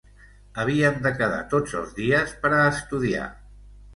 Havíem de quedar tots els dies per a estudiar.